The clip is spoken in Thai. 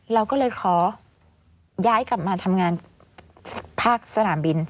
เราก็เลยขอย้ายกลับมาทำงานภาคสนามบิน